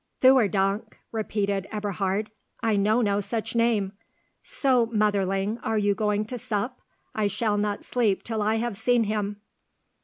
"Theurdank," repeated Eberhard, "I know no such name! So, motherling, are you going to sup? I shall not sleep till I have seen him!"